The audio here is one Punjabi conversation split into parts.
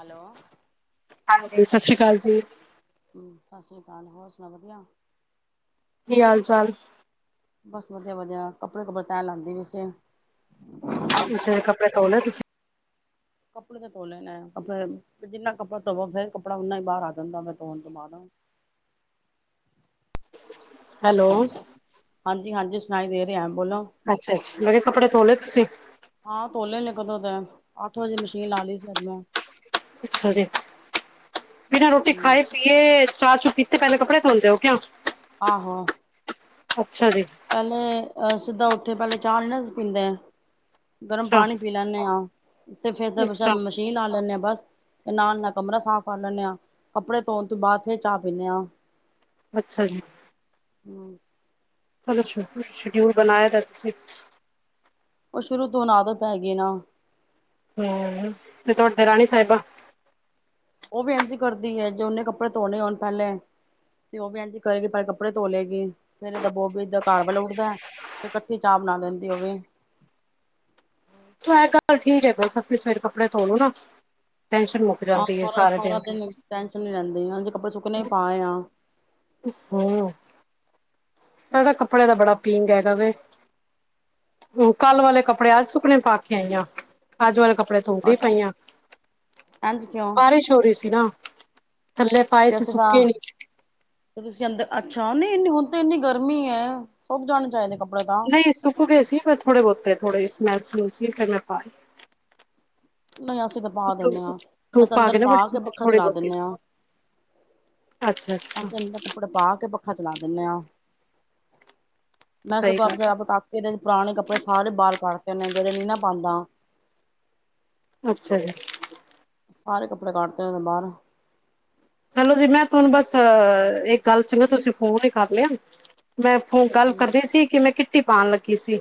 ਹੈਲੋ ਹਾਂਜੀ ਸਾਸਰੀਕਾਲ ਜੀ, ਸਾਸਰੀਕਾਲ ਹੋਰ ਸੁਣਾਓ ਵਧੀਆ ਕੀ ਹਾਲ ਚਾਲ ਬਸ ਵਧੀਆ, ਵਧੀਆ ਕੱਪੜੇ, ਕੁਪੜੇ ਤੈ ਲਾਉਂਦੀ ਪਈ ਸੀ। ਅੱਛੇ, ਕੱਪੜੇ ਤੋ ਲੇ ਤੁਸੀਂ? ਕੱਪੜੇ ਤੇ ਧੋ ਲੈ ਨੇ ਆ ਆਪ ਜਿੰਨਾ ਕੱਪੜਾ ਧੋਵੋ ਫੇਰ ਕੱਪੜਾ ਓਨਾ ਹੀ ਬਾਹਰ ਆ ਜਾਂਦਾ ਧੋਣ ਬਾਅਦ। ਹੈਲੋ? ਹਾਂਜੀ, ਹਾਂਜੀ ਸੁਣਾਈ ਦੇ ਰਿਹਾ। ਬੋਲੋ? ਅੱਛਾ, ਅੱਛਾ ਮੈਂ ਕਿਹਾ ਕੱਪੜੇ ਤੋ ਲੇ ਤੁਸੀਂ? ਹਾਂ ਧੋਲੇ ਨੇ ਕਦੋਂ ਦੇ, ਅੱਠ ਵਜੇ ਮਸ਼ੀਨ ਲਾ ਲਈ ਸੀ। ਅੱਜ ਮੈ ਅੱਛਾ ਜੀ ਬਿਨਾਂ ਰੋਟੀ ਖਾਏ ਵੀਏ ਚਾਰ ਚੋ ਪੀ ਤੇ, ਪਹਿਲੇ ਕੱਪੜੇ ਧੋਂਦੇ ਹੋ ਕਿਆ? ਆਹੋ ਅੱਛਾ ਜੀ। ਪਹਿਲੇ ਸਿੱਧਾ ਉੱਠੇ ਪਹਿਲੇ ਚਾਹ ਨੀ ਨਾ ਸੀ। ਪੀਂਦੇ, ਗਰਮ ਅੱਛਾ ਪਾਣੀ ਪੀ ਲੈਂਦੇ ਹਾਂ। ਤੇ ਫੇਰ ਤਾਂ ਅੱਛਾ ਮਸ਼ੀਨ ਲਾ ਲੈਦੇ ਆ ਬਸ ਨਾਲ ਨਾਲ ਕਮਰਾ ਸਾਫ਼ ਕਰ ਲੈਂਦੇ ਆ, ਕੱਪੜੇ ਧੋਣ ਤੋਂ ਬਾਅਦ ਫਿਰ ਚਾਹ ਪੀਂਦੇ ਹਾਂ। ਅੱਛਾ ਜੀ। [inaudible] ਤੁਡਾ ਸ਼ ਸ਼ਡਿਊਲ ਬਣਾਏ ਦਾ ਤੁਸੀਂ ਉਹ ਸ਼ੁਰੂ ਤੋਂ ਆਦਤ ਪੈਗੀ ਨਾ। ਤੇ ਤੁਹਾਡੀ ਦਰਾਣੀ ਸਾਹਿਬਾਂ ਉਹ ਵੀ ਇੰਝ ਕਰਦੀ ਹੈ ਜੇ ਉਹਨੇ ਕੱਪੜੇ ਧੋਣੇ ਹੋਣ ਪਹਿਲੇ ਤੇ ਉਹ ਵੀਂ ਏਂਜੀ ਕਰੇਗੀ ਪੈਲੇ ਕੱਪੜੇ ਧੋ ਲਏਗੀ ਫੇਰ ਓਂਦਾ ਬੋਬੀ ਏ ਦਾ ਘਰਵਾਲਾ ਉੱਠਦਾ ਐ। ਤੇ ਕੱਠੀ ਚਾਹ ਬਣਾ ਲੈਂਦੀ ਉਹ ਵੀ। ਐ ਗੱਲ ਠੀਕ ਹੈ ਬਈ ਸੱਤੀ ਸਵੇਰੇ ਕੱਪੜੇ ਧੋ ਲੋ ਨਾ ਟੈਸ਼ਨ ਮੁੱਕ ਆਹ ਜਾਂਦੀ ਹੈ ਸਾਰਾ, ਸਾਰੇ ਸਾਰਾ ਦੀ ਦਿਨ ਟੈਸ਼ਨ ਨੀ ਰਹਿੰਦੀ ਹਨ ਜੇ ਕੱਪੜੇ ਸੁੱਕਣੇ ਹੀ ਪਾਏ ਆ। [unintelligible] ਤੁਸੀਂ ਧੋਏ ਹੋ ਕੱਪੜੇ ਦਾ ਬੜਾ ਪੀਂਗ ਹੈਗਾ ਵੇ। ਕੱਲ ਵਾਲੇ ਕੱਪੜੇ, ਅੱਜ ਸੁੱਕਨੇ ਪਾ ਕੇ ਆਈ ਆ ਅੱਜ ਵਾਲੇ ਕੱਪੜੇ ਧੋਂਦੀ ਅੱਛਾ ਪਈਆਂ। ਇੰਝ ਕਿਉਂ ਬਾਰਿਸ਼ ਹੋ ਰਹੀ ਸੀ ਨਾ। ਥੱਲੇ ਪਾਏ ਸੀ ਕਿਸ ਦਾ? ਸੁੱਕੇ ਨੀ ਤੁਸੀਂ ਅੰਦਰ ਅੱਛਾ ਨਹੀਂ, ਨੀ ਹੁਣ ਤੇ ਇੰਨੀ ਗਰਮੀ ਹੈ ਸੁੱਕ ਜਾਣੇ ਚਾਹੀਦੇ ਕੱਪੜੇ ਤਾਂ। ਸੁੱਕ ਗਏ ਸੀ ਥੋੜੇ ਬਹੁਤੇ, ਥੋੜ੍ਹੇ ਸਮੈਲ ਸਮੂਲ ਸੀ ਫਿਰ ਮੈਂ ਪਾ ਆਈ। ਨਹੀਂ ਅਸੀਂ ਤਾਂ ਪਾ ਦਿੰਦੇ ਧੁੱਪ, ਹਾਂ ਅਸੀਂ ਧੁੱਪ ਆ ਅੰਦਰ ਗਈ ਨਾ [unintelligible] ਬੜੇ ਪਾ ਕੇ ਪੱਖਾ ਥੋੜੀ ਚਲਾ ਬਹੁਤੀ। ਦਿੰਦੇ ਹਾਂ ਅੱਛਾ, ਅੱਛਾ। ਅਸੀਂ ਅੰਦਰ ਕੱਪੜੇ ਪਾ ਕੇ ਪੱਖਾ ਚਲਾ ਦਿੰਦੇ ਆਂ ਮੈਂ ਸਹੀ ਸਗੋਂ ਗੱਲ ਆਪ ਏਨਾ ਦੇ ਪੁਰਾਣੇ ਕੱਪੜੇ ਸਾਰੇ ਬਾਹਰ ਕੱਢਤੇ ਨੇ ਜਿਹੜੇ ਨੀ ਨਾ ਪਾਉਂਦਾ। ਅੱਛਾ, ਜੀ। ਸਾਰੇ ਕੱਪੜੇ ਕੱਢਤੇ ਨੇ ਮੈ ਬਾਹਰੋ। ਚਲੋ ਜੀ ਮੈਂ ਤੁਹਾਨੂੰ ਬਸ ਇੱਕ ਗੱਲ ਸੀ ਤੁਸੀਂ ਫੋਨ ਹੀ ਕਰ ਲਿਆ। ਮੈਂ ਫੌ ਗੱਲ ਕਰਦੀ ਸੀ ਕਿ ਮੈਂ ਕਿੱਟੀ ਪਾਉਣ ਲੱਗੀ ਸੀ।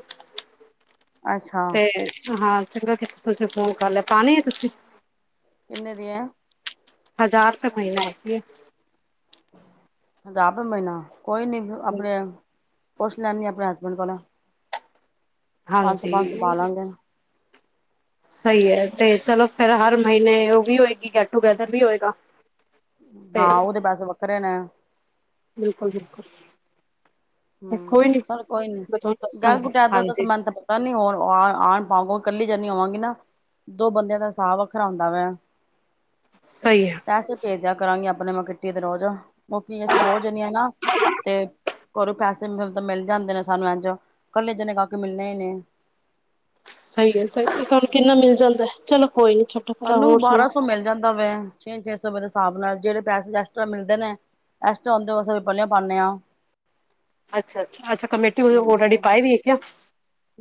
ਅੱਛਾ ਤੇ ਹਾਂ ਚੰਗਾ ਕਿਤਾ ਤੁਸੀਂ ਫੋਨ ਕਰ ਲਿਆ ਪਾਣੀ ਆ ਤੁਸੀਂ? ਕਿੰਨੇ ਦੀ ਆ? ਹਜ਼ਾਰ ਰੁਪਏ, ਮਹੀਨਾ ਹੈਗੀ ਹੇ। ਹਜ਼ਾਰ ਰੁਪਏ ਮਹੀਨਾ ਕੋਈ ਨੀ ਆਪਣੇ ਪੁੱਛ ਲੈਂਦੀ ਆਪਣੇ ਹਸਬੈਂਡ ਕੋਲ। ਪੰਜ ਸੋ, ਹਾਂਜੀ ਪੰਜ ਸੋ ਪਾ ਲਾਂਗੇ। ਸਹੀ ਹੈ ਤੇ ਚਲੋ ਫੇਰ ਹਰ ਮਹੀਨੇ ਉਹ ਵੀ ਹੋਏਗੀ ਗੈਟ, ਟੂਗੇੈਦਰ ਵੀ ਹੋਏਗਾ। ਹਾਂ ਤੇ ਉਹ ਦੇ ਪੈਸੇ ਵੱਖਰੇ ਨੇ। ਬਿਲਕੁਲ -ਬਿਲਕੁਲ। [unintelligible] ਨੀ ਮੈਂ ਤੁਹਾਨੂੰ ਦੱਸਾਂਗੀ ਹਾਂਜੀ ਹੁਣ ਹਾਰ ਪਾਓ ਕੱਲੀ ਜਾਨੀ ਹੋਵਾਂਗੀ ਨਾ। ਦੋ ਬੰਦਿਆਂ ਦਾ ਸਾਬ ਵੱਖਰਾ ਹੁੰਦਾ ਵੇ। ਸਹੀ ਆ। ਪੈਸੇ ਭੇਜ ਦੇਆਂ ਕਰਾਂਗੀ ਆਪਣੇ ਮੈਂ ਕਿੱਟੀ ਤੇ ਰੋਜ ੳਹ ਕੀ ਅਸੀਂ ਦੋ ਜਣੀਆਂ ਹੀ ਆਂ। ਘਰੋਂ ਪੈਸੇ ਮਿਲ ਜਾਂਦੇ ਨੇ ਸਾਨੂੰ ਏਂਜ ਕੱਲੇ ਜਣੇ ਜਾਕੇ ਮਿਲਣੇ ਹੀ ਨੀ। ਸਹੀ ਹੈ ਸਹੀ ਤੁਹਾਨੂੰ ਕਿੰਨਾ ਮਿਲ ਜਾਂਦਾ ਚਲੋ ਕੋਈ ਨੀ ਭਰਾ ਸਾਨੂੰ ਹੋਰ ਸੁਣਾ ਬਾਰਾਂ ਸੌ ਮਿਲ ਜਾਂਦਾ ਵੇ ਛੇ, ਛੇ ਸੌ ਦੇ ਹਿਸਾਬ ਨਾਲ ਜਿਹੜੇ ਪੈਸੇ ਐਕਸਟਰਾ ਮਿਲਦੇ ਨੇ ਐਕਸਟਰਾ ਹੁੰਦੇ ੳਹ ਪਲੀਔ ਪਾਂਦੇ ਹਾਂ। ਅੱਛਾ- ਅੱਛਾ- ਅੱਛਾ ਕਮੇਟੀ ਔਲਰੈਡੀ ਜਿਵੇਂ ਪਾਈ ਦੀ ਏ ਕਿਆ।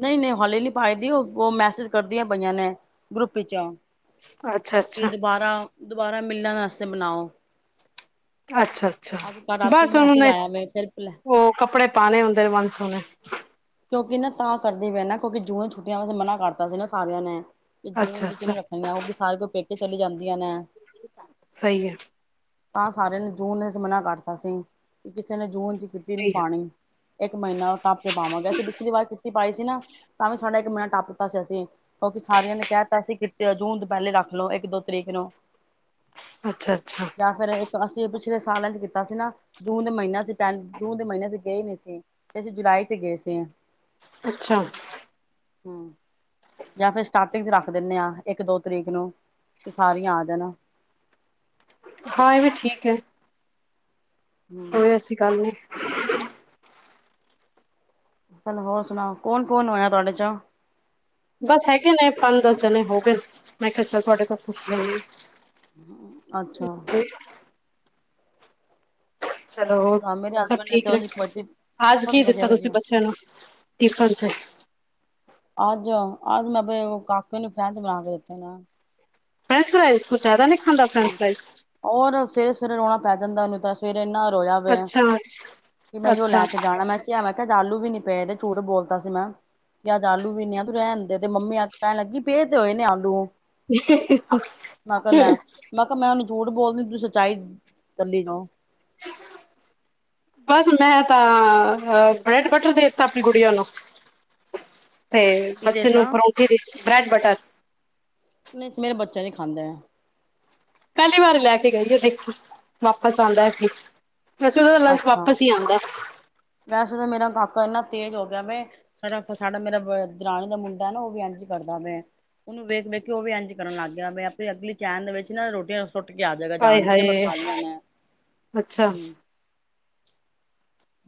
ਨਹੀਂ- ਨਹੀਂ ਹਲੀ ਨੀ ਪਾਈਦੀ ਉਹ ਮੈਸੇਜ ਕਰਦੀਆਂ ਪਈਆਂ ਨੇ ਗਰੁੱਪ ਵਿੱਚ। ਅੱਛਾ ਕਿ ਅੱਛਾ ਦੁਬਾਰਾ -ਦੁਬਾਰਾ ਮਿਲਣ ਵਾਸਤੇ ਬਨਾਓ। ਅੱਛਾ -ਅੱਛਾ ਬਸ ਉਹਨੇ ਵੇ ਫਿਰ ਉਹ ਕੱਪੜੇ ਪਾਣੇ ਹੁੰਦੇ ਨੇ ਵਨ ਸਵੰਨੇ। ਕਿਉਂਕਿ ਤਾਂ ਕਰਦੀ ਪਏ ਨਾ ਕਿਉਂਕਿ ਜੂਨ ਛੁੱਟੀਆਂ ਮਨਾ ਕਰਦਾ ਸੀ ਨਾ ਸਾਰਿਆਂ ਨੇ। ਕਿ ਜੂਨ ਅੱਛਾ ਦੀ ਚਿ ਅੱਛਾ ਰੱਖਣੀਆਂ ਉਹ ਵੀ ਸਾਰ ਕੁ ਪੇਕੇ ਚਲੀ ਜਾਂਦੀਆਂ ਨੇ। ਸਹੀ ਹੈ। ਤਾਂ ਸਾਰਿਆਂ ਨੇ ਜੂਨ ਮਨਾ ਕਰਤਾ ਸੀ ਕਿਸੇ ਨੇ ਜੂਨ ਕਿੱਟੀ ਨੀ ਸਹੀ ਹੈ ਪਾਣੀ। ਇੱਕ ਮਹੀਨਾ ਟੱਪ ਕੇ ਪਾਵਾਂਗੇ ਅਸੀਂ ਪਿਛਲੀ ਵਾਰ ਕਿੱਟੀ ਪਾਈ ਸੀ ਨਾ। ਤਾਂ ਵੀ ਸਾਡਾ ਇੱਕ ਮਹੀਨਾ ਟੱਪ ਦਿੱਤਾ ਸੀ ਅਸੀਂ। ਕਿਉਂਕਿ ਸਾਰਿਆਂ ਨੇ ਕਹਿ ਦਿੱਤਾ ਸੀ ਕਿੱਟੀ ਜੂਨ ਤੋਂ ਪਹਿਲੇ ਰੱਖ ਲਓ ਇੱਕ ਦੋ ਤਰੀਕ ਨੂੰ। ਅੱਛਾ -ਅੱਛਾ। ਜਾਂ ਫੇਰ ਇੱਕ ਅਸੀਂ ਪਿਛਲੇ ਸਾਲਾਂ ਚ ਕੀਤਾ ਸੀ ਨਾ ਜੂਨ ਦੇ ਮਹੀਨਾ ਜੂਨ ਦੇ ਮਹੀਨੇ ਅਸੀ ਗਏ ਨੀ ਸੀ। ਤੇ ਜੁਲਾਈ ਚ ਗਏ ਸੀ। ਅੱਛਾ। ਹਮ, ਜਾਂ ਫੇਰ ਸਟਾਰਟਿੰਗ ਚ ਰੱਖ ਦਿੰਨੇ ਹਾਂ। ਇੱਕ ਦੋ ਤਰੀਕ ਨੂੰ ਵੀ ਸਾਰੀਆਂ ਆ ਜਾਣਾ। ਹਾਂ, ਇਹ ਵੀ ਠੀਕ ਹੈ। ਹਮ ਕੋਈ ਐਸੀ ਗੱਲ ਨਹੀਂ। ਚਲੋ ਹੋਰ ਸੁਣਾਓ ਕੌਣ, ਕੌਣ ਹੋਇਆ ਤੁਹਾਡੇ ਚੋਂ। ਬਸ ਹੈਗੇ ਨੇ ਪੰਜ ਦਸ ਜਣੇ ਹੋ ਗਏ ਨੇ, ਮੈਂ ਕਿਹਾ ਚਲ ਤੁਹਾਡੇ ਤੋਂ ਪੁੱਛ ਲੈਨੀ ਆਂ। ਅੱਛਾ। ਚਲੋ ਹੋਰ, ਸੁਣਾਓ ਮੇਰੇ ਸਭ ਹਸਬੈਂਡ ਠੀਕ ਤੇ ਨੇ। ਉਂਝ ਕਬੱਡੀ ਅੱਜ ਬਸ ਕੀ ਵਧੀਆ ਦਿੱਤਾ ਤੁਸੀਂ ਵਧੀਆ ਬੱਚਿਆਂ ਨੂੰ, ਟਿਫੱਨ ਚ ਅੱਜ- ਅੱਜ ਮੈਂ ਆਪਣੇ ਕਾਕੇ ਨੂੰ ਫਰੈਂਚ ਬਣਾ ਕੇ ਦਿੱਤੇ ਨੇ। ਫ੍ਰੈਂਚ ਫਰਾਈਜ਼ ਕੁੱਛ ਜ਼ਿਆਦਾ ਨਹੀਂ ਖਾਂਦਾ ਫ੍ਰੇਚ ਫਰਾਈਜ਼। ਔਰ ਸਵੇਰੇ- ਸਵੇਰੇ ਰੋਣਾ ਪੈ ਜਾਂਦਾ ਉਹਨੂੰ ਤਾਂ ਸਵੇਰੇ ਇਨਾ ਰੋਇਆ ਵੇ ਅੱਛਾ ਕਿ ਮੈਂ ਇਔ ਅੱਛਾ ਲੈ ਕੇ ਜਾਣਾ ਮੈਂ ਕਿਹਾ ਮੈਂ ਕਿਹਾ ਅੱਜ ਆਲੂ ਵੀ ਨੀ ਪਏ ਦੇ ਝੂਠ ਬੋਲਤਾ ਸੀ ਮੈਂ। ਕਿ, ਅੱਜ ਆਲੂ ਵੀ ਨੀ ਹੈ ਤੂੰ ਰਹਿਣ ਦੇ ਤੇ ਮੰਮੀ ਆ ਕੇ ਕਹਿਣ ਲੱਗੀ ਪਏ ਤੇ ਹੋਏ ਨੇ ਆਲੂ ਹ, ਹ, ਹ, ਮੈਂ ਕਿਹਾ ਲੈ ਅਹ। ਮੈਂ ਕਿਹਾ, ਮੈਂ ਉਹਨੂੰ ਝੂਠ ਬੋਲਦੀ ਤੁ ਸੱਚਾਈ ਤੱਲੀ ਦੋ। [inaudible] ਬਸ ਮੈਂ ਤਾਂ ਬ੍ਰੈਡ ਬੱਟਰ ਦੇ ਦਿੱਤਾ ਆਪਣੀ ਗੁੜੀਆਂ ਨੂੰ। [inaudible] ਤੇ ਕੀ ਬੱਚੇ ਨੂੰ ਦੇਤਾ ਪਰੋਂਠੀ ਦੀ ਬ੍ਰੈਡ ਬਟਰ ਨਹੀਂ ਮੇਰੇ ਬੱਚੇ ਨੀ ਖਾਂਦੇ। ਪਹਿਲੀ ਵਾਰੀ ਲੈ ਕੇ ਗਈ ਏ ਦੇਖੀ ਵਾਪਸ ਆਂਦਾ ਕਿ ਵੈਸੇ ਉਹਦਾ ਲੰਚ ਅੱਛਾ ਵਾਪਸ ਹੀ ਆਂਦੈ। ਵੈਸੇ ਤੇ ਮੇਰਾ ਕਾਕਾ ਇਨਾ ਤੇਜ਼ ਹੋ ਗਿਆ ਵੇ ਸਾਡਾ, ਸਾਡਾ ਮੇਰਾ ਦਰਾਣੀ ਦਾ ਮੁੰਡਾ ਨਾ ਉਹ ਵੀ ਇੰਝ ਕਰਦਾ ਵੇ। ਉਹਨੂੰ ਵੇਖ, ਵੇੱਖ ਕੇ ਉਹ ਵੀ ਇੰਝ ਕਰਨ ਲੱਗ ਗਿਆ ਵੇ ਆਪਣੀ ਅਗਲੀ ਚੈਨ ਦੇ ਵਿੱਚ ਨਾ ਰੋਟੀਆਂ ਸੁੱਟ ਕੇ ਆ ਜਾਏਗਾ ਆਏ ਜਾਣ ਕੇ ਮੈਂ ਹਾਏ ਖਾ ਲਿਆ ਨੇ। ਅੱਛਾ ਹਮ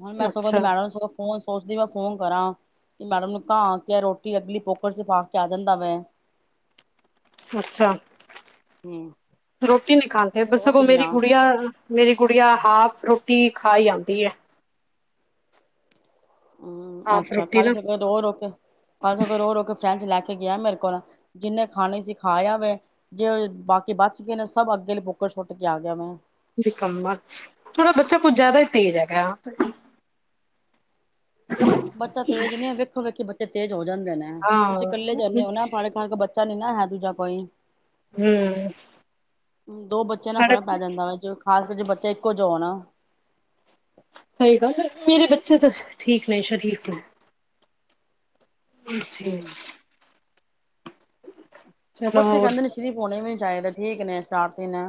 ਹੁਣ ਮੈਂ ਸਗੋ ੳਦੀ ਅੱਛਾ ਮੈਡਮ ਨੂੰ ਸਗੋ ਫੋਨ ਸੋਚਦੀ ਮੈਂ ਫੋਨ ਕਰਾਂ ਕਿ ਮੈਡਮ ਨੂੰ ਕਾਂਹ ਕੇ ਰੋਟੀ ਅਗਲੀ ਪੋਕਟ ਚ ਪਾ ਕੇ ਆ ਜਾਂਦਾ ਵੇ। ਅੱਛਾ। ਹਮ ਰੋਟੀ ਨਹੀਂ ਖਾਦੇ ਸਗੋਂ ਮੇਰੀ ਗੁੜੀਆ ਮੇਰੀ ਗੂੜੀਆਂ ਹਾਫ ਰੋਟੀ ਖਾ ਜਾਂਦੀ ਹੈ ਹਾਫ ਹ ਰੋਟੀ ਕੱਲ ਨਾ ਸਗੋਂ ਰੋ ਰੋ ਕੇ ਕੱਲ ਸਗੋਂ ਰੋ ਰੋ ਕੇ ਉਹ ਰੋ ਕੇ ਫਰੈਂਚ ਲੈ ਕੇ ਗਿਆ ਮੇਰੇ ਕੋਲ ਜਿੰਨੇ ਖਾਣੇ ਖਾ ਆ ਵੈ ਜੇ ਬਾਕੀ ਬਚ ਗਏ ਨੇ ਸਭ ਅੱਗੇ ਬੁੱਕ ਸੁੱਟ ਕੇ ਆ ਗਿਆ ਮੈਂ ਨਿਕੱਮਾ ਥੋੜਾ ਬੱਚਾ ਕੁੱ ਜ਼ਿਆਦਾ ਹੀ ਤੇਜ ਹੈਗੈ। ਬੱਚਾ ਤੇਜ਼ ਨੀ ਹੈ ਵੇਖੋ ਵੇਖੀ ਬੱਚੇ ਤੇਜ਼ ਹੋ ਜਾਂਦੇ ਨੇ ਤੁਸੀਂ ਹਾਂ, ਇਕੱਲੇ ਜਾਂਦੇ ਹੋ ਨਾ ਮ ਹੱਲੇ ਕੋਈ ਬੱਚਾ ਨੀ ਨਾ ਹੈ ਦੂਜਾ ਕੋਈ ਹੂੰ ਦੋ ਬੱਚਿਆਂ ਨਾਲ ਸਾਡੇ ਫਰਕ ਪੈ ਜਾਂਦਾ ਵਾ ਖਾਸ ਕਰ ਜੇ ਬੱਚੇ ਇੱਕੋ ਜੇ ਹੋਣ। ਸਹੀ ਗੱਲ, ਮੇਰੇ ਬੱਚੇ ਤਾਂ ਠੀਕ ਨੇ ਸ਼ਰੀਫ ਨੇ ਹਾਂਜੀ। ਹੂੰ ਚਲੋ ਬੱਚੇ ਹੋਰ ਕਹਿੰਦੇ ਨੇ ਸ਼ਰੀਫ ਹੋਣੇ ਵੀ ਨੀ ਚਾਹੀਦੇ ਠੀਕ ਨੇ ਸ਼ਰਾਰਤੀ ਨੇ।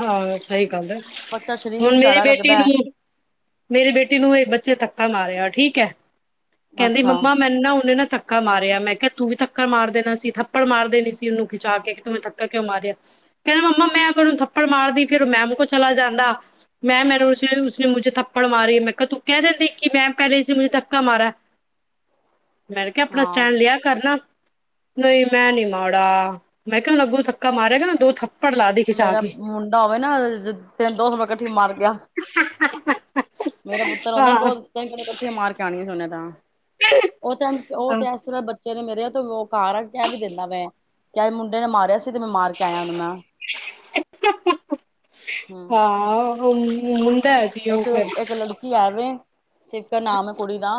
ਹਾਂ ਸਹੀ ਗੱਲ ਏ, ਬੱਚਾ ਸ਼ਰੀਫ ਹੁਣ ਹੀ ਮੇਰੀ ਚੜਾ ਬੇਟੀ ਲੱਗਦਾ ਨੂੰ ਮੇਰੇ ਬੇਟੀ ਨੂੰ ਇਕ ਬੱਚੇ ਧੱਕਾ ਮਾਰਿਆ ਠੀਕ ਹੈ ਕਹਿੰਦੀ ਅੱਛਾ ਮੰਮਾ ਮੈ ਨਾ ਉਹਨੇ ਧੱਕ ਧੱਕਾ ਮਾਰਿਆ, ਮੈਂ ਕਿਹਾ ਤੂੰ ਵੀ ਧੱਕਾ ਮਾਰ ਦੇਣਾ ਸੀ ਥੱਪੜ ਮਾਰ ਦੇਣੀ ਸੀ ਉਹਨੂੰ ਖਿਚਾ ਕੇ ਤੂੰ ਮੈਂਨੂੰ ਧੱਕਾ ਕਿਉਂ ਮਾਰਿਆ। ਕਹਿੰਦੇ ਮੰਮਾ ਮੈਂ ਅਗਰ ੳਨੂੰ ਥੱਪੜ ਮਾਰਦੀ ਫੇਰ ੳਹ ਮੈਮ ਕੋਲ ਚਲਾ ਜਾਂਦਾ ਮੈਂ ਮੈਂ ਉਸੇ ਮੁੇ ਥੱਪੜ ਮਾਰੀ ਮੈਂ ਕਿਹਾ ਤੂੰ ਕਹਿ ਦਿੰਦੀ ਕਿ ਮੈਂ ਪਹਿਲੇ ਇਸੇ ਮੁੇ ਧਥੱਕਾ ਮਾਰਾ ਮੈਂ ਕਿਹਾ ਆਪਣਾ ਹਾਂ ਸਟੈਂਡ ਲਿਆ ਕਰਨਾ ਨਹੀਂ ਮੈਂ ਨੀ ਮਾੜਾ ਮੈਂ ਕਿਹਾ ਅੱਗੂ ਥੱਕਾ ਮਾਰਿਆ ਕਹਿੰ ਦੋ ਥੱਕ ਮੇਰਾ ਮੁੰਡਾ ਹੋਵੇ ਨਾ ਤਿੰਨ ਦੋ ਸਮ ਇਕੱਠੀ ਮਾਰ ਗਿਆ ਮੇਰਾ ਪੁੱਤਰ ਹੁੰਂਦਾ ਹਾਂ ਦੋਿੰਨ ਇਕੱਠੀਆਂ ਮਾਰ ਕੇ ਗਾਣ ਸੁਣਿਆ ਤਾਂ ਉਹ ਤਾਂ ਉਹ ਹਾਂ ਤੇ ਇਸ ਤਰ੍ਹਾਂ ਚਰੇ ਮੇਰੇ ਤੇ ਉਹ ਘਰ ਆ ਕਹਿ ਵੀ ਦਿੰਦਾ ਮੈਂ ਕ ਮੁੰਡੇ ਨੇ ਮਾਰਿਆ ਸੀ ਤੇ ਮੈਂ ਮਾਰ ਕੇ ਆਇਆ ਉਹਨੂੰ ਮੈਂ ਹੂੰ ਹਾਂ ਹੁੰਦਾ ਆ। ਇੱਕ ਇੱਕ ਲੜਕੀ ਆਵੇ ਸਿਦਰ ਨਾਮ ਹੈ ਕੁੜੀ ਦਾ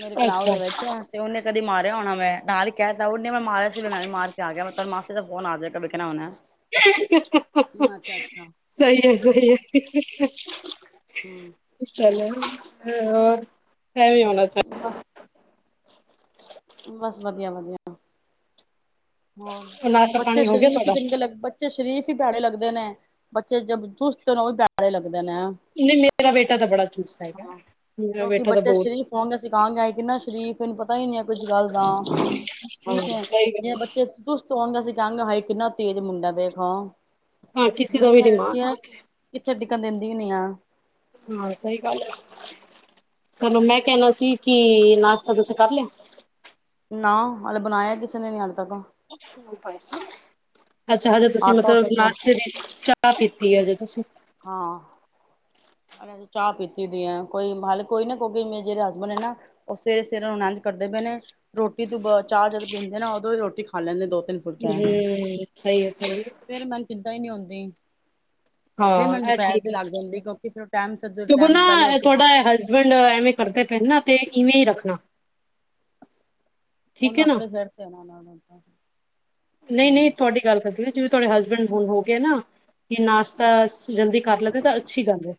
ਮੇਰੀ ਕਲਾਓ ਅੱਛਾ ਦੇ ਵਿੱਚ ਤੇ ਉਹਨੇ ਕਦੀ ਮਾਰਿਆ ਹੋਣਾ ਮੈਂ ਨਾਲ ਹੀ ਕਹਿ ਤ ਉਹਨੇ ਮੈਂ ਮਾਰਿਆ ਸੀ ਵੀ ਮੈਂ ਵੀ ਮਾਰ ਕੇ ਆ ਗਿਆ ਮੈਂ ਤਾਂ ਫੋਨ ਆ ਜਾਏਗਾ ਵੇਖਣਾ ਹਣਾ ਸਹੀ ਹੈ ਸਹੀ ਹੈ ਹਮ ਚ ਹੋਰ ਮੈਂ ਵੀ ਆਉਣਾ ਚਾਹੁੰਦਾ ਵ ਬਸ ਵਧੀਆ ਵਧੀਆ ਹੋ ਨਾਸ਼ਤਾ ਬੱਚਾ ਪਾਣੀ ਹੋ ਗਿਆ ਸ਼ਰੀਫ ਹੀ ਤੁਹਾਡਾ ਚੰਗੇ ਲਗਦੇ ਬੱਚੇ ਸ਼ਰੀਫ ਹੀ ਪੈੜੇ ਲੱਗਦੇ ਨੇ ਬੱਚੇ ਜ ਚੁਸਤ ਨੇ ਉਹ ਵੀ ਪੈੜੇ ਲੱਗਦੇ ਨੇ ਹੈ ਨਹੀਂ ਨਹੀਂ ਮੇਰਾ ਬੇਟਾ ਤਾਂ ਬੜਾ ਚੁਸਤ ਹੈਗਾ ਮੇਰਾ ਕਿਉਂਕਿ ਬੇਟਾ ਤਾਂ ਬੱਚੇ ਬਹੁਤ ਸ਼ਰੀਫ ਹੋਉਣਗੇ ਸਿਖਾਉਣਗੇ ਕਿੰਨਾ ਸ਼ਰੀਫ ਇਹਨੂੰ ਪਤਾ ਹੀ ਨਹੀਂ ਹੈ ਕੁੱਝ ਗੱਲ ਦਾ ਹਾਂ ਠੀਕ ਹੈ ਸਹੀ ਜਿਵੇਂ ਗੱਲ ਬੱਚੇ ਚੁਸਤ ਆਉਂਦਾ ਸੀ ਕਹਾਂਗੇ ਹਾਈ ਕਿੰਨਾ ਤੇਜ਼ ਮੁੰਡਾ ਵੇ ਖਾਓ ਹਾਂ ਕਿਸੇ ਦਾ ਵੀ ਦੁਨੀਆ ਨੀ ਮਾਣ ਐਸੀ ਹੈ ਕਿੱਥੇ ਟਿਕਣ ਦਿੰਦੀ ਹੀ ਨੀ ਆ ਹਾਂ ਸਹੀ ਗੱਲ ਹੈ ਕਲੂੰ ਮੈਂ ਕਹਿਣਾ ਸੀ ਕਿ ਨਾਸ਼ਤਾ ਤੁਸੀਂ ਕਰ ਲਿਆ ਨਾ ਹਲੇੇ ਬਣਾਇਆ ਕਿਸੇ ਨੇ ਨੀ ਹਜ ਤੱਕ ਅੱਛਾ ਹਜੇ ਤੁਸੀਂ ਆਟਾ ਮਤਲਬ ਉਟਾ ਚਾਹ ਪੀਤੀ ਆ ਜ ਤੁਸੀਂ ਹਾਂ, ਚਾਹ ਪੀਤੀ ਦੀ ਆ ਕੋਈ ਹਲੇ ਕੋਈ ਨਾ ਕੋਈ ਮ ਜਿਹੜੇ ਹਸਬੈਂਡ ਨਾ, ਉਹ ਸਵੇਰੇ ਸਵੇਰੇ ਨੂੰ ਲੰਚ ਕਰਦੇ ਪਏ ਨੇ ਰੋਟੀ ਤੋਂ ਚਾਹ ਜਦੋਂ ਪੀਂਦੇ ਨਾ ਉਦੋਂ ਰੋਟੀ ਖਾ ਲੈਂਦੇ ਦੋ ਤਿੰਨ, ਫੁਲਕਿਆਂ ਹੂੰ, ਸਹੀ ਹੈ ਸਹੀ, ਫੇਰ ਮੈਨੂੰ ਚਿੰਤਾ ਹੀ ਨੀ ਆਉਂਦੀ, ਫੇਰ ਮੈਨੂੰ ਹਾਂ ਇਹ ਦੁਪਹਿਰ ਠੀਕ ਤੇ ਲੱਗ ਹੈ ਜਾਂਦੀ ਕਿਉਂ ਟਾਇਮ ਸਰ ਸਗੋਂ ਟਾਇਮ ਨਾ ਪਹਿਲੇੇ ਰੋਟੀ ਪਾ, ਤੁਹਾਡਾ ਹਸਬੈਂਡ ਐਮ ਏ ਕਰਦਾ ਪਹਿਲਾ ਤੇ ਵੇ ਹੀ ਰੱਖਣਾ, ਠੀਕ ਉਹਨੂੰ ਹੈ ਨਾ ਆਪਣੇ ਸਿਰ ਨਹੀਂ ਨਹੀਂ [unintelligible] ਤੁਹਾਡੀ ਗੱਲ ਕਰਦੀ ਜਿਵੇਂ ਤੁਹਾਡੇ ਹਸਬੈਂਡ ਹੁਣ ਹੋ ਗਏ ਨਾ, ਕੀ ਨਾਸ਼ਤਾ ਜਲਦੀ ਕਰ ਲਦੇ ਤਾਂ ਅੱਛੀ ਗੱਲ ਹੈ।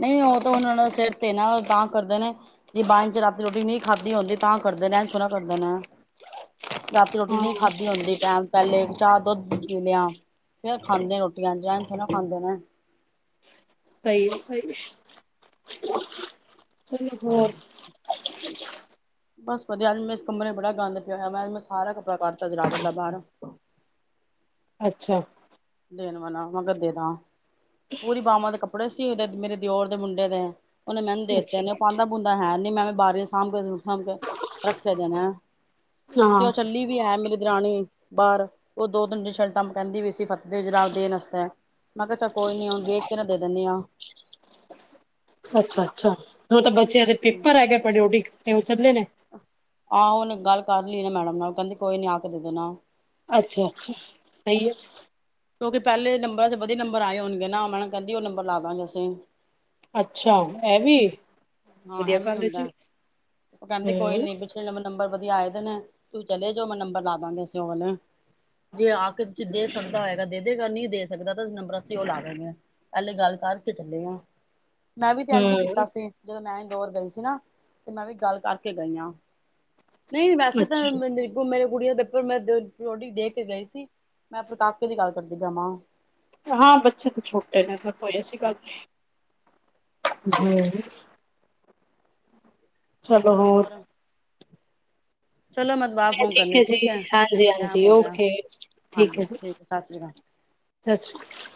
ਨਹੀਂ ਉਹ ਤਾਂ ਹੁਣ ਉਹ ਦਾ ਸਿਰ ਤੇ ਨਾ ਤਾਂ ਕਰਦੇ ਨੇ, ਜੇ ਬਾਂ ਚ ਰਾਤੀ ਰੋਟੀ ਨਹੀਂ ਖਾਧੀ ਹੁੰਦੀ, ਤਾਂ ਕਰਦੇ ਨੇ ਸੋਹਣਾ ਕਰਦੇ ਨੇ ਰਾਤੀ ਰੋਟੀ ਹਾਂ ਨਹੀਂ ਖਾਧੀ ਹੁੰਦੀ ਟਾਈਮ, ਪਹਿਲੇ ਚਾਹ ਦੁੱਧ ਪੀ ਲਿਆ, ਫਿਰ ਖਾਂਦੇ ਰੋਟੀਆਂ [unintelligible] ਨਾ ਖਾਂਦੇ ਨੇ, ਸਹੀ ਹੈ ਸਹੀ, ਹੈ ਹੋਰ, [inaudible] ਬਸ ਵਧੀਆ ਅੱਜ ਮੈਂ ਇਸ ਕਮਰੇ ਬੜਾ ਗੰਦ ਪਿਆਇਆ ਅੱਜ ਮੈਂ ਸਾਰਾ ਕੱਪੜਾ ਕੱਢ ਦਿੱਤਾ ਜਰਾਵਰ ਦਾ ਬਾਹਰ, ਅੱਛਾ। ਦੇਣ ਵਾਲਾ ਨਾ ਮੈਂ ਕਿਹਾ ਦੇ ਦਾ ਪੂਰੀ ਬਵਾਂ ਦੇ ਕੱਪੜੇ ਸੀ ਉਹ ਮੇਰੇ ਦਿਓਰ ਦੇ ਮੁੰਡੇ ਦੇ। ਉਹਨੇ ਮੈਨੂੰ ਦਿੱਤਾ ਅੱਛਾ ਨੇ ਉਹ ਪਾਂਦਾ ਬੂੰਦਾ ਹੈ ਨੀ ਮੈਂ ਬਾਰ ਸਾਂਭ, ਹਾਂ, ਰੱਖਿਆ ਦੇਣਾ, ਤੇ ਹਾਂ ਉਹ ਚੱਲੀ, ਵੀ ਹੈ ਮੇਰੀ ਦਰਾਣੀ ਬਾਹਰ ਉਹ ਦੋ ਤਿੰਨ ਦਿਨ ਸ਼ਰਟਾਂ ਕਹਿੰਦੀ ਵੀ ਸੀ ਫ ਦੇਜਰਾਤ ਦੇਣ ਵਸਤੇ ਮੈਂ ਕਿਹਾ ਚ ਕੋਈ ਨੀ ਹੁਣ ਵੇਖ ਕੇ ਨਾ ਦੇ ਦਿੰਦੀ ਆ, ਅੱਛਾ-ਅੱਛਾ, ਉਹ ਤਾਂ ਬੱਚਿਆਂ ਦੇ ਪੇਪਰ ਹੈਗੇ ਪਰੇਓ ਡੀ ਤੇ ਉਹ ਚੱਲੇ ਨੇ, ਆਹੋ ਹੁਣ ਗੱਲ ਕਰ ਲਈ ਨਾ ਮੈਡਮ ਨਾਲ ਕਹਿੰਦੀ ਕੋਈ ਨੀ ਆ ਕੇ ਦੇ ਦੇਣਾ। ਅੱਛਾ-ਅੱਛਾ, ਸਹੀ ਹੈ। ਕਿਉਂਕਿ ਪਹਿਲੇ ਨੰਬਰ ਚ ਵਧੀਆ ਨੰਬਰ ਆਏ ਹੋਣਗੇ ਨਾ ਮੈਂ ਨਾ ਕਹਿੰਦੀ ਉਹ ਨੰਬਰ ਲਾਵਾਂ ਅਸੀਂ। ਅੱਛਾ, ਇਹ ਵੀ, ਹਾਂ ਵਧੀਆ ਐਵੇਂ ਗੱਲ ਆ ਜੀ, ਹੂੰ। ਪਹਿਲੇ ਨੰਬਰ ਵਧੀਆ ਆਏ ਦੇ ਨੇ ਤੂੰ ਚਲੇ ਜਾ ਮੈਂ ਨੰਬਰ ਲਾ ਦਾਂਦੇ ਅ ਉਹ ਜੇ ਆ ਕੇ ਤੁਸੀਂ ਦੇ ਸਕਦਾ ਹੋ, ਦੇ ਦੇਗਾ ਨਹੀਂ ਦੇ ਸਕਦਾ ਤਾਂ ਨੰਬਰ ਅਸੀਂ ਉਹ ਲਾ ਦੇ ਗੇ, ਪਹਿਲੇ ਗੱਲ ਕਰਕੇ ਚੱਲੇ ਹਾਂ। ਮੈਂ ਵੀ ਤੇ ਇੰਝ ਹੀ ਕੀਤਾ ਹਮ ਸੀ ਜਦੋਂ ਮੈਂ ਇੰਦੋਰ ਗਈ ਸੀ ਨਾ ਤੇ ਮੈਂ ਵੀ ਗੱਲ ਕਰਕੇ ਗਈ ਹਾਂ, ਨਹੀਂ ਵੈਸੇ ਤਾਂ ਅੱਛਾ ਮੇਰੇ ਕੁੜੀਆਂ ਦੇ ਪੇਪਰ ਮੈਂ [unintelligible] ਦੇਖ ਕੇ ਗਈ ਸੀ ਮੈਂ ਪਤਾ ਕਿਦੀ ਗੱਲ ਕਰਦੀ ਪੈ ਮਾ, ਹਾਂ, ਬੱਚੇ ਤਾਂ ਛੋਟੇ ਨੇ ਫਿਰ ਕੋਈ ਐਸੀ ਗੱਲ ਨਹੀਂ, ਹੂੰ। ਚਲੋ ਬਹੁਤ, ਚਲੋ ਮੈਂ ਦੁਬਾਰਾ ਫੋਨ ਕਰਨੀ ਠੀਕ ਜੀ, ਹੈ, ਟੈਮ ਹਾਂਜੀ-ਹਾਂਜੀ ਹੋ ਗਿਆ, ਓਕੇ, ਹਾਂਜੀ ਠੀਕ ਹੈ, ਸਤਿ ਸ਼੍ਰੀ ਅਕਾਲ। ਸਤਿ ਸ਼੍ਰੀ ਅਕਾਲ,